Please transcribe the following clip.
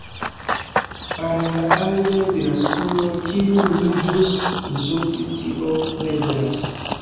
Al la aliaj denaskuloj, kiujn mi ĵus insultis tio ne veras